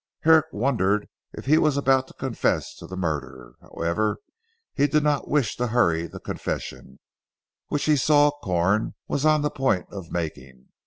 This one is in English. Herrick wondered if he was about to confess to the murder. However he did not wish to hurry the confession, which he saw Corn was on the point of making.